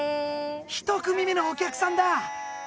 １組目のお客さんだ！